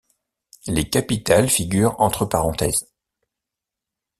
Les capitales figurent entre parenthèses.